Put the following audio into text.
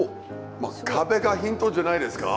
まあ壁がヒントじゃないですか？